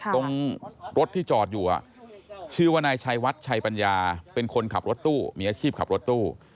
ตรงรถที่จอดอยู่ชื่อว่านายชัยวัดชัยปัญญาเป็นคนขับรถตู้มีอาชีพขับรถตู้